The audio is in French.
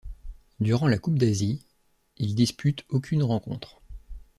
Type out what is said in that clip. Durant la coupe d'Asie, il dispute aucune rencontre.